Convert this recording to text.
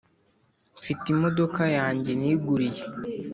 mfite imodoka yanjye niguriye.